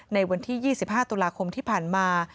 ในวันที่๒๕ตุลาคมที่ผ่านมา